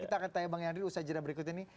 kita akan tanya bang yadir usaha jalan berikutnya nih